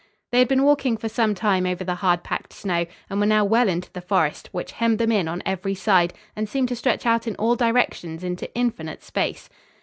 They had been walking for some time over the hard packed snow and were now well into the forest, which hemmed them in on every side and seemed to stretch out in all directions into infinite space.